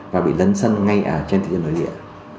và bị lấn sân ngay ở trên thị trường đối địa